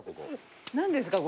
何ですか？